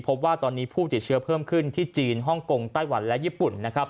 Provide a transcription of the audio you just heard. พบว่าตอนนี้ผู้ติดเชื้อเพิ่มขึ้นที่จีนฮ่องกงไต้หวันและญี่ปุ่นนะครับ